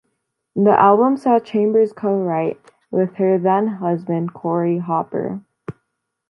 The album saw Chambers co-write with her then husband Corey Hopper.